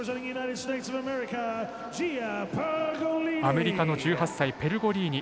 アメリカの１８歳ペルゴリーニ。